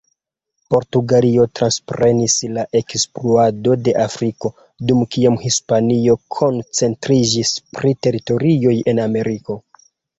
Portugalujo transprenis la ekspluato de Afriko, dum kiam Hispanujo koncentriĝis pri teritorioj en Ameriko.